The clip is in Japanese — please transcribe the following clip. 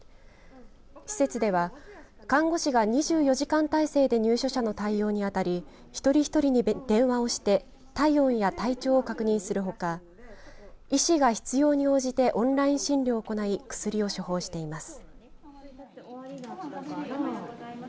施設では、看護師が２４時間体制で入所者の対応に当たり一人一人に電話をして体温や体調を確認するほか医師が必要に応じてオンライン診療を行い薬を処方しています。